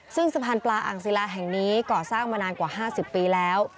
ซึ่งสะพานปลาอ่างศิลาแห่งนี้ก่อสร้างมานานกว่า๕๐ปีแล้ว